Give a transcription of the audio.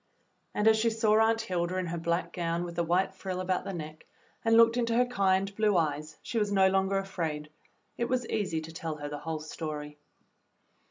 And as she saw Aunt Hilda in her black gown with the white frill about the neck and looked into her kind blue eyes, she was no longer afraid. It was easy to tell her the whole story.